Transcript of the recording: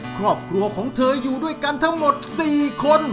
ครอบครัวของเธออยู่ด้วยกันทั้งหมด๔คน